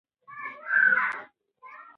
زمونږ هیواد باید پرمختګ وکړي.